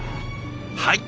はい！